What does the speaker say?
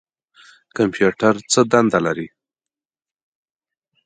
کمپیوټر څه دنده لري؟